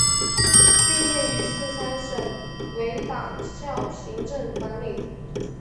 毕业于四川省委党校行政管理。